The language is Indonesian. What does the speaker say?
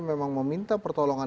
memang meminta pertolongan